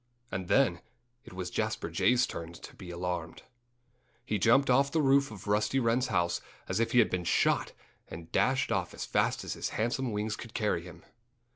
And then it was Jasper Jay's turn to be alarmed. He jumped off the roof of Rusty Wren's house as if he had been shot and dashed off as fast as his handsome wings could carry him.